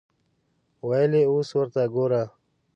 ویل یې اوس ورته ګوره.